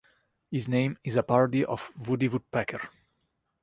His name is a parody of Woody Woodpecker.